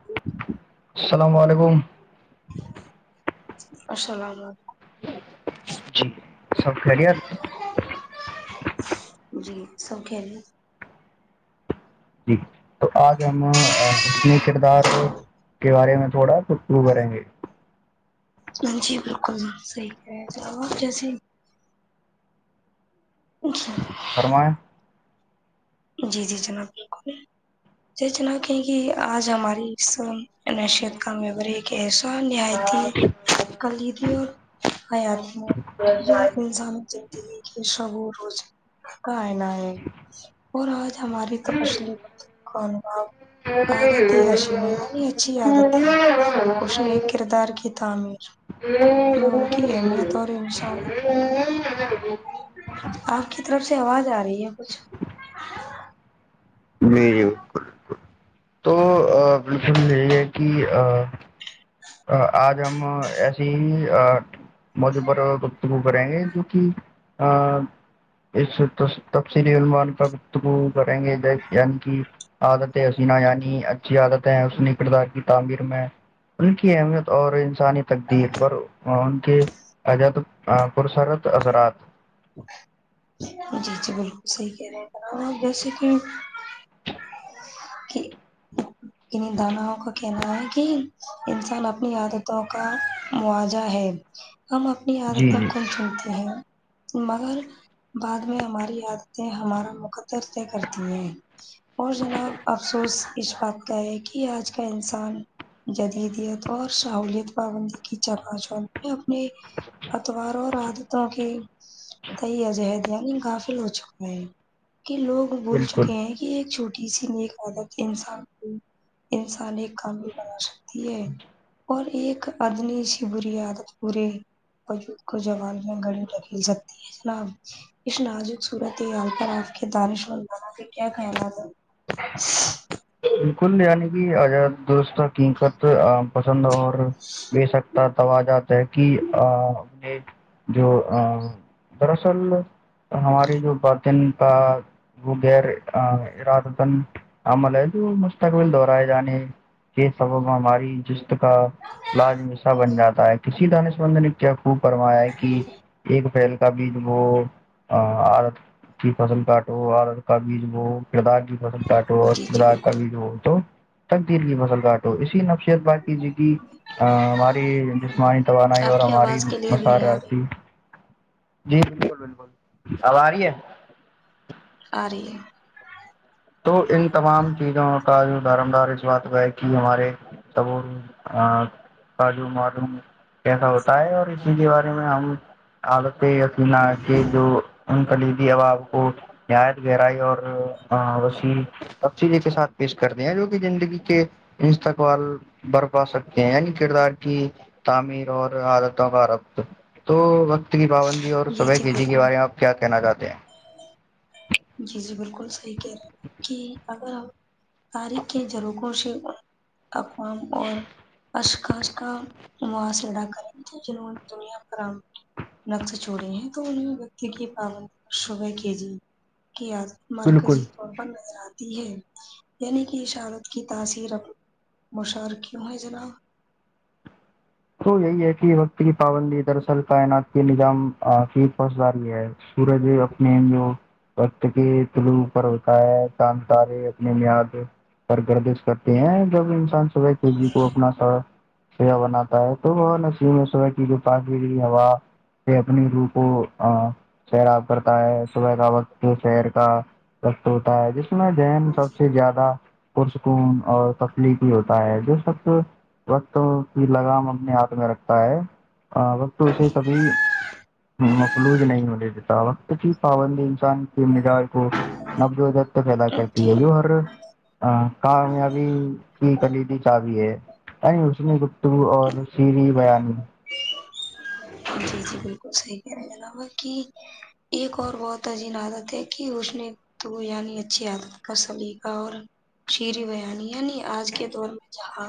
اکے [unintelligible] السلام علیکم السلام جی سب ب جی سب کھیل جی تو آج ہم اس نے کردار کے بارے میں تھوڑا خھبو کریں گے ہاں جی بالکل صحی کہ چلو آپ جیسے اچھا فرمائیں جی جی جناب بالکل جیچنا کہ کہ آج ہماری اس نشیت کا می کیسو نیتی کلیدی اور حیاار میں جو انسان یہ سبو روزار ک ہے ن اور آج ہماری تپسلی مط کااناب عادت ہے اشم یعنی اچھی عادت ہے اس نے ایک کردار کی تعمیر میں ان کی اہمیت اور انشان آپ کی طرف سے آواز آ رہی ہے کچھ جی جی بالکل بکل تو بالکل یہی ہے کہ آج ہم ایسے ہی موجوع پر گفتگو کریں گے جو کہ اس تفصیلی علمان کا کریں گے یع کی عادت حسینا یعنی اچھی عادت ہے حنی کردار کی تعمیر میں ان کی اہمیت اور انسانی تقدیر پر ان کے عجت پررسرت اضرات جی جی بالکل صحی کہہ رہے ہیں جیسے کہ [unintelligible] [unintelligible] ان داناؤ کا کہنا ہے کہ انسان اپنی عادتوں کا مواجہ ہے ہم اپنی جی عادتیں جی کون چنتے ہیں مگر بعد میں ہماری عادتیں ہمارا مقدر طے کرتی ہیں اور جناب افسوس اس بات کا ہے کہ آج کا انسان جدیدیت اور سہوولت پابندی کی چاچ میں اپنے اتواروں اور عادتوں کی تی عجہد یعنی کاافل ہو چکا ہے کہ لوگ بول بالکل چکے ہیں کہ ایک چھوٹی سی نیک عادت انسان انسان ایک کامی بنا سکتی ہے اور ایک ادنی سی بری عادت پورے بج کو جوالیا گھڑی ٹکل سکتی ہے جناب اس نازک صورت حال پر آپ کے دارش موانا کیا خیالات [unintelligible] بالکل یعنی کہ آزاد دوست حقیقت پسند اور م سکتا سو جات ہے کہ نے جو دراصل ہماری جو باتیں اج رات حسن عمل ہے جو مستقبل دہرائے جانے یہ سب ہماری جس کا لاظم سا بن جاتا ہے کسی دانش مند نے کیا خوب فرمایا ہے کہ ایک اپریل کا بیج وہ کی فصل کاٹو اور کا بیج بو کردار ٹو جی جی بات کا بالکل بھی جو تو تقدیر کی فصل کاٹو اسی نفسیت پاکیزگی کی ہماری جسمانی توانائی اور آپ کی ہماری آواز کلیئر نہیں آ رہی مساراتی جی بالکل بالکل اب آ رہی ہے آ رہی ہے تو ان تمام چیزوں کا جو دار مدار اس بات پہ ہے کہ ہمارے کا جو معلوم کیسا ہوتا ہے اور اسی کے بارے میں ہم [inaudible] ان کلیدی احباب کو نہایت گہرائی اور وسیع اب چیزیں کے ساتھ پیش کرنے ہیں جو کہ زندگی کے استقبال برپا سکتے ہیں یعنی کردار کی تعمیر اور حالتوں کا عرب تو وقت کی پابندی اور صبح کے جی کے بارے میں آپ کیا کہنا چاہتے ہیں جی جی بالکل صحیح کہہ رہے ہیں آپ کہ اگر ہم قاریخ کے جروکوں سے اقوام اور اشخاص کا محاصرہ کریں گے وہ اس دنیا پر نقش چوڑے ہیں تو انہیں ویکتی کی پابندی صبح کے جی کی عادت بالکل مرکزی طور پر نظر آتی ہے یعنی کہ اشہادت کی تاثیر اب مشعور کیوں ہے جناب تو یہی ہے کہ وقت کی پابندی دراصل کائنات کے نظام کی پاسداری ہے سورج اپنے جو وقت کے تلو پر ہوتا ہے چاند تارے اپنے میاد پر گردش کرتے ہیں جب انسان سبح جی کو اپنا سیا بناتے ہیں [inaudible] سے اپنی روح کو سیراب کرتا ہے صبح کا وقت شیر کا وقت ہوتا ہے جس میں زہن سب سے زیادہ پرسکون اور تکلیفی ہوتا ہے جو سب وقت کی لگام اپنے ہاتھ میں رکھتا ہے وقت اسے کبھی مخلوج نہیں ہونے دیتا وقت کیی پابندی انسان [inaudible] تک پیدا کرتی ہے جو ہر کامیابی کی کلیدی چابی ہے اس مین گفتگو اور شیرین بیانی جی جی بالکل صحیح کہ رہے ہیں جناب ایک اور بہت عظیین عادت ہے کہ اس نے تو یعنی اچھی عادت کا سلیقہ اور شیرین بیانی یعنی آج کے دور میں جہاں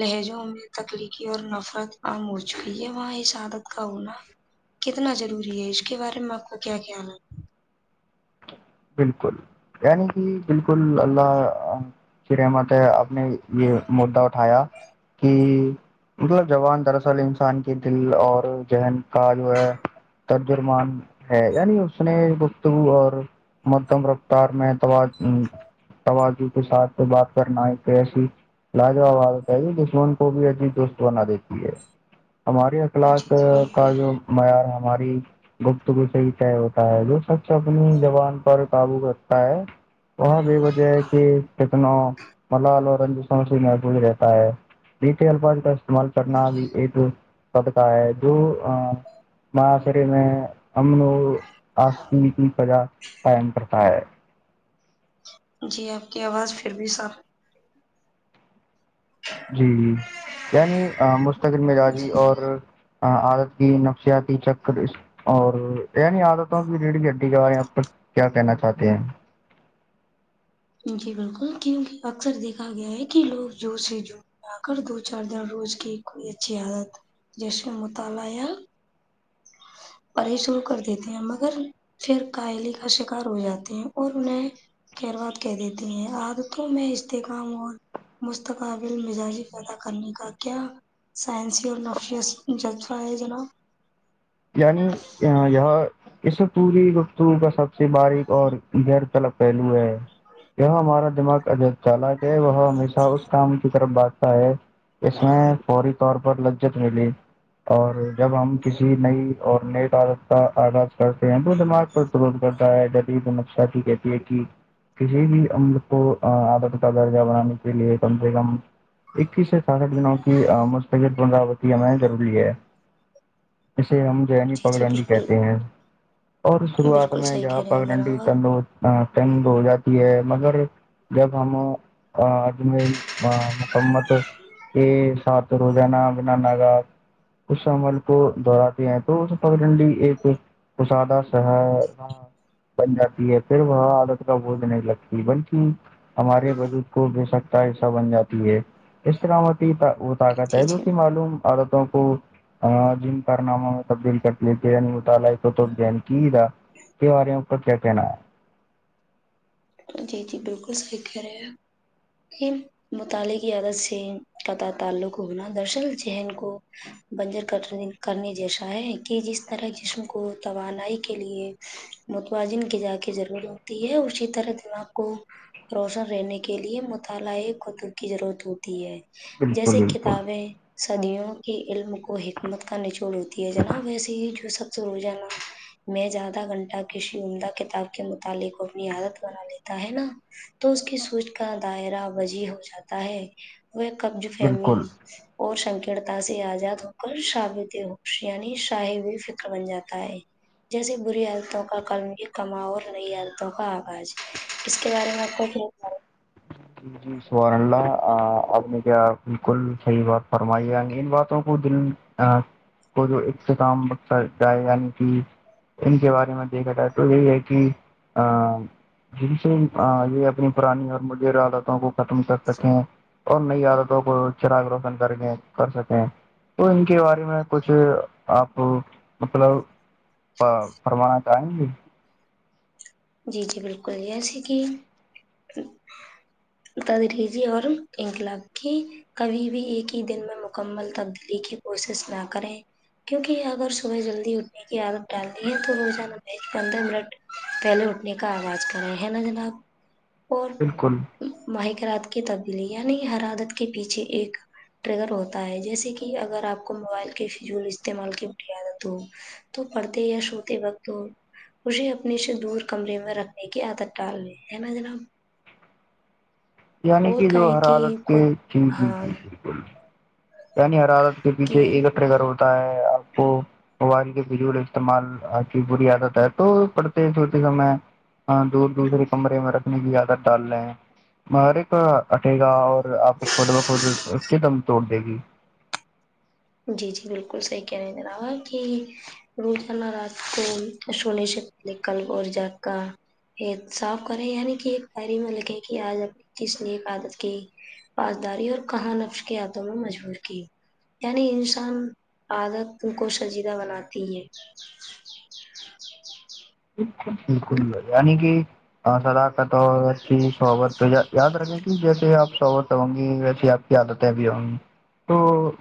لہجوں میں تکلیقی اور نفرت کام ہو چکی ہے وہاں اس عادت کا ہونا کتنا ضروری ہے اس کے بارے میں آپ کو کیا کیا ہے بالکل یعنی کہ بالکل اللہ کی رحمت ہے اب نے یہ مدا اٹھایا کہ مطلب زبان دراصل انسان کے دل اور ذہن کا جو ہے ترجرمان ہے یعنی اس نے گفتگو اور مدم رفتار میں توازن کے ساتھ بات کرنا ایک ایسی لاجواب عادت ہے یہ دشمن کو بھی عجیب دوست بنا دیتی ہے ہماری جی کلاس جی کا بالکل جو معیار ہماری گپتگو سے ہی طے ہوتا ہے جو شخص اپنی زبان قابو رکھتا ہے وہ بھی وجہ ہے کہ کتنا ملال اور رنج محبظ رہتا ہے ر الاج کا استعمال کرنا بھی ایک سب کا ہے جو ہاں ماں سرے میں امن آس کی پجا قائم کرتا ہے جی آپ کی آواز پھر بھی صاف جی جی یعنی مستقر مزاجی اور ہ عادت کی نفسیاتی چکر اور نہیں آ رہ آتا ہ کہ ریی گڈی کے بارے یہاں پر کیا کہنا چاہتے ہیں جی بالکل کیوںکہ اکثر دیکھا گیا ہے کہ لوگ جو سے جو آ کر دو چار دن روز کی کوئی اچھی عادت جشن مطالعہ پے شروع کر دیتے ہیں مگر پھر کاہلی کا شکار ہو جاتے ہیں اور انہیں کروات کہ دیتے ہیں عادتوں میں استحکام اور مستقابل مزاجی پیدا کرنے کا کیا سائنسی اور نفشیت جذبہ ہے جناب یعنی یہاں اس و پوری گفتو کا سب سے باریک اور غیر طلب پہلو ہے یہاں ہمارا دماغ اجب چالک ہے وہ ہمیشہ اس کی طرف بٹتا ہے اس میں فوری طور پر لججت ملی اور جب ہم کسی نئی اور نئے تازق کا آغاز کرتے ہیں وہ دماغ پر رول کرتا ہے جبید تو نقشہ کی کہتے یہ کہ کسی بھی ہم لوگ کو آدر کا درجہ بنانے کے لیے کم سے کم اکیس سے ساٹھ دنوں کی مستقل بغاوتی ہمیں ضروری ہے شے ہم یعنی جی جی پگڈنڈی بالکل کہتے ہیں اور شروعات بالکل میں صحیح اں کہہ رہے ہیں پگڈنڈی جناب آپ تندو ہ ٹنڈ ہو جاتی ہے مگر جب ہم عدم مسممت کے ساتھ روزانہ بنا ناگ اس عمل کو دہراتے ہیں تو پ ڈنی ایکسادہ شہر بن جاتی ہے پھر وہاں عادت کا بج نہیں لگتی بنتی ہمارے وجود کو بے سکتا حصہ بن جاتی ہے اس طرامتی ہی وہ طاقت جی ہے جو جی معلوم عادتوں کو جن کارناموں میں تبدیل کر لیر مطالعہ س تو جنکی کے بارے اوپر کیا کہنا ہے جی جی بالکل صحیح کہہ رہے ہیں مطالعے کی عادت سے قطع تعلق ہونا درصل ذہن کو بنجر کٹنے کرنے جیسا ہے کہ جس طرح جسم کو توانائی کے لیے متوازن کی جا کی ضرورت ہوتی ہے ا چیت طرح دماغ کو روشن رہنے کے لیے مطالعہ قطب کی ضرورت ہوتی ہے بالکل جیسے بالکل کتابیں صدیوں کے علم کو حکمت کا نچوڑ ہوتی ہے جناب ویسے ہی جو سب سے رو جانا میں زیادہ گھنٹہ کسی عمدہ کتاب کے متعلق اپنی عادت ا لیتا ہے نا تو اس کی سوچ کا دائرہ بجی ہو جاتا ہے وہ قبض فہمی بالکل اور سنکتا سے آزاد ہو کر شابت ہوکش یعنی شاہی و فکر بن جاتا ہے جیس بری عادتوں کا قلم ہی کماؤ اور نئی عادتوں کا آغاز اس کے بارے میں آپ کو ج [unintelligible] جی سبارن اللہ آپ نے کیا بالکل صحیح بات فرمائی ان باتوں کو دل ا کو جو اختتام بک جائے یعنی کہ ان کے بارے میں دیکھا جائے تو یہ ہے کہ ا جن سے یہ اپنی پرانی اور م عادتوں کو ختم کر سکے ہیں اور نہیں آادتوں کو چراغ روشن کر کے کر سکیں ہیں تو ان کے بارے میں کچھ آپ مطلب فرمانا چاہیں گے جی جی بالکل ہی ایسی کی تد ریزی اورار کک ل کیی کبھی بھی ایک ہی دن میں مکمل تبدیلی کی کوشش نہ کریں کیونکہ اگر صبح جلدی ہوتی دت ڈالنی ہے تو روزانہ پندرہ منٹ پہلےٹ نے کا آواز کرے ہیں نا جناب اور بالکل ماہکرات کی تبدیلی یعنی حرادت کے پیچھے ایک ٹریگر ہوتا ہے جیسے کہ اگر آپ کو موبائل کے فضول استعمال کی قیادت ہو تو پڑھتے یا سوتے وقت ہو اسے اپنے سے دور کمرے میں رکھنے کی عادت ڈال لیتے ہے نا جناب یعنی اور جو کہیں ہر کہ حالت کے خود جی جی جی ہاں یعنی ہر عالت کے کہ پیچھے ایکٹھے کر ہوتا ہے آپ کو وب کے بالول استعمال آ کی بی عادت ہے تو پڑھتے چھوٹے سمے ہاں دور دوسرے کمرے میں رکھنے کی زیادت ڈال رہے ہیں مارے کا اٹے گا اور آپ خود بخود کے دم توڑ دے گی جی جی بالکل صحیح کہنے د رہاا کہ روزان رات کو س ہونے شکتے کلور جات کا یہ صاف کریں یعنی کہ ایک پری میں لکھیں کہ آج اپ کس نے ایک عادت کی پاسداری اور کہاں نفش کے یاتوں میں مجبور کی یعنی انسان عادت کو شجیدہ بناتی ہے [unintelligible] [inaudible] بکل بکل ب کہ ہ صلاقت اور صحبت یاد رکھے گی جیسے آپ صحبت ہوں گ ج ویسیے آپ کی عادتیں ا بھیھی ہم تو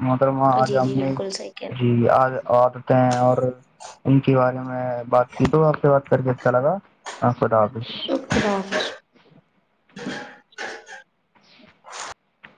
مطب آج جی ہم جی نے بالکل صحیح کہہ رہے جی ہیں آج آ دیتے ہیں اور ان کے بارے میں بات کی تو آپ سے بات کر کے اچھا لگا خدا حافظ خ حافظ [unintelligible]